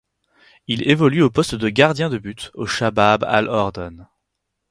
Il évolue au poste de gardien de but au Shabab Al-Ordon.